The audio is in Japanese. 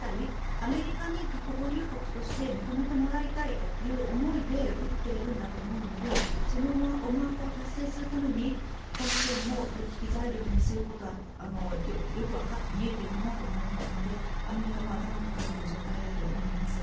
アメリカに核保有国として認めてもらいたいという思いで打っているんだと思うのでその思惑を達成するためにこの件も取引材料にすることはよく見えているなと思うのでアメリカも頭を抱えている状態だと思います。